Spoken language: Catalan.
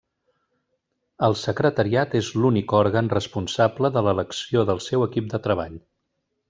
El Secretariat és l'únic òrgan responsable de l'elecció del seu equip de treball.